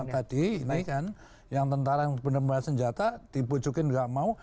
tadi ini kan yang tentara yang benar benar senjata dipucukin nggak mau